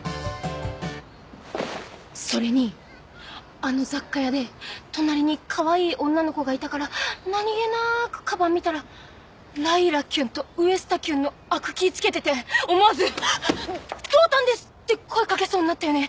それにあの雑貨屋で隣にカワイイ女の子がいたから何げなくかばん見たらライラきゅんとウェスタきゅんのアクキーつけてて思わず同担です！って声掛けそうになったよね。